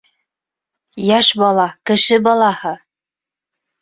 Йәш бала, кеше балаһы!